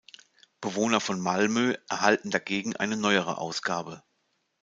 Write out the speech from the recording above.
Bewohner von Malmö erhalten dagegen eine neuere Ausgabe.